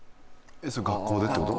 それ学校でってこと？